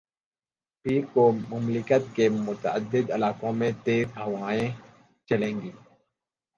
پیر کو مملکت کے متعدد علاقوں میں تیز ہوائیں چلیں گی